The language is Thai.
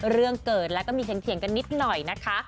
เรื่องเกิดแล้วก็มีเถียงกันนิดหน่อยนะคะ